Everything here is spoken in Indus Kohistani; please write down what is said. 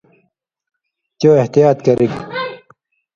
چو احتیاط کرِگ